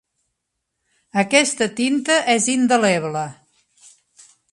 Aquesta tinta és indeleble.